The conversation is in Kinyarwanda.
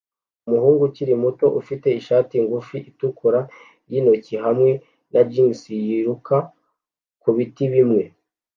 Umuhungu ukiri muto ufite ishati ngufi itukura yintoki hamwe na jans yiruka kubiti bimwe